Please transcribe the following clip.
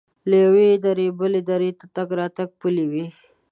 له یوې درې بلې درې ته تګ راتګ پلی وي.